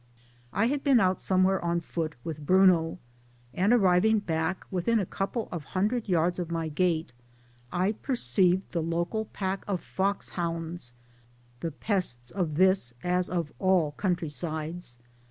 I had been out somewhere on foot with Bruno and arriving back within a couple of hundred yards of my gate I perceived the local pack of foxhounds (the pests of this as of all countrysides